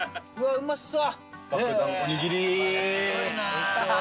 うまそう！